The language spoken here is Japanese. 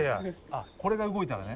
あっこれが動いたらね。